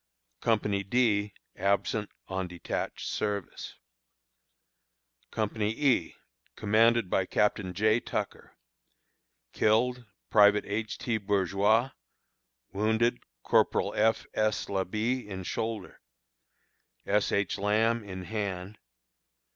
Company D, absent on detached service. Company E, commanded by Captain J. Tucker. Killed: Private H. T. Bourgois. Wounded: Corporal F. S. Labit, in shoulder; S. H. Lamb, in hand.